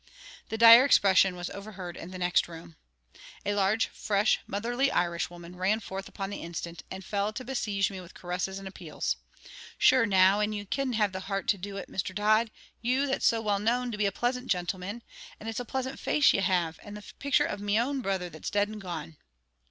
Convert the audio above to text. The dire expression was overheard in the next room. A large, fresh, motherly Irishwoman ran forth upon the instant, and fell to besiege me with caresses and appeals. "Sure now, and ye couldn't have the heart to ut, Mr. Dodd, you, that's so well known to be a pleasant gentleman; and it's a pleasant face ye have, and the picture of me own brother that's dead and gone.